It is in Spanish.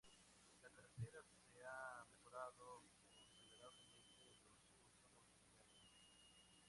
La carretera se ha mejorado considerablemente en los últimos veinte años.